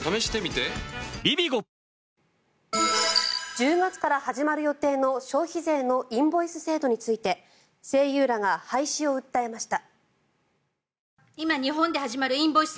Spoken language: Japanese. １０月から始まる予定の消費税のインボイス制度について声優らが廃止を訴えました。